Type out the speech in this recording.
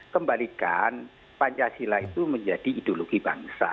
kembalikan pancasila itu menjadi ideologi bangsa